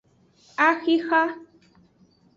Axixa.